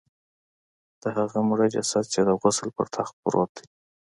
د هغه مړه جسد چې د غسل پر تخت پروت دی.